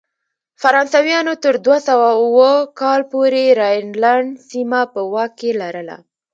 فرانسویانو تر دوه سوه اووه کال پورې راینلنډ سیمه په واک کې لرله.